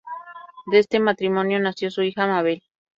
De este matrimonio nació su hija Mabel.